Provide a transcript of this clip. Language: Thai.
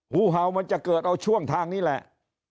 หูเห่ามันจะเกิดเอาช่วงทางนี้แหละ